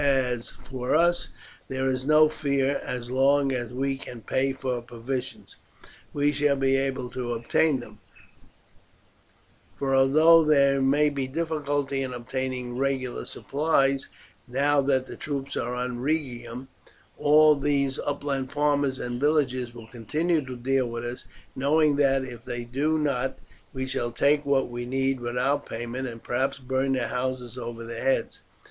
As for us there is no fear; as long as we can pay for provisions we shall be able to obtain them, for although there may be difficulty in obtaining regular supplies, now that the troops are at Rhegium, all these upland farmers and villagers will continue to deal with us, knowing that if they do not we shall take what we need without payment and perhaps burn their houses over their heads."